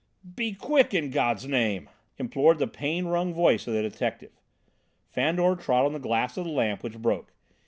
"Be quick, in God's name," implored the pain wrung voice of the detective. Fandor trod on the glass of the lamp, which broke.